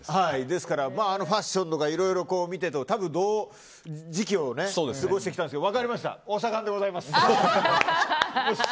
ですから、ファッションとかいろいろ見てても同時期を過ごしてきたんですよ。